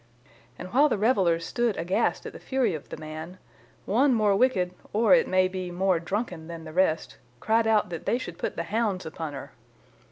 And while the revellers stood aghast at the fury of the man, one more wicked or, it may be, more drunken than the rest, cried out that they should put the hounds upon her.